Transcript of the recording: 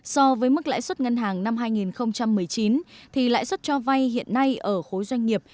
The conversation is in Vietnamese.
so với mức lãi suất ngân hàng năm hai nghìn một mươi chín thì lãi suất cho vay hiện nay ở khối doanh nghiệp